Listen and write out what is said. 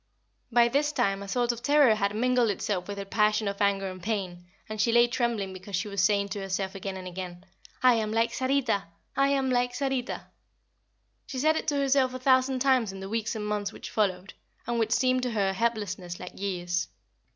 By this time a sort of terror had mingled itself with her passion of anger and pain, and she lay trembling because she was saying to herself again and again: "I am like Sarita! I am like Sarita!" She said it to herself a thousand times in the weeks and months which followed, and which seemed to her helplessness like years.